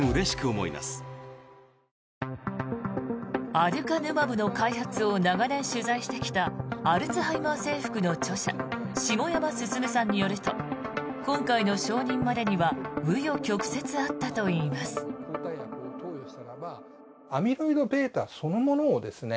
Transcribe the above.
アデュカヌマブの開発を長年取材してきた「アルツハイマー征服」の著者下山進さんによると今回の承認までには紆余曲折あったといいまあす。